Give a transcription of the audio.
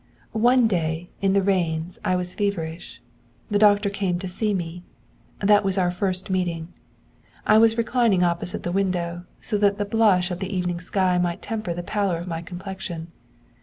One day, in the rains, I was feverish. The doctor came to see me. That was our first meeting. I was reclining opposite the window, so that the blush of the evening sky might temper the pallor of my complexion.